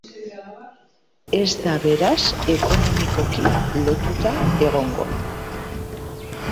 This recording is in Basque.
Ez da beraz ekonomikoki lotuta egongo.